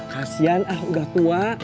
kasian ah udah tua